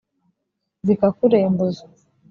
zikakurembuza